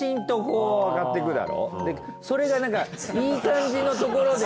それがなんかいい感じのところで。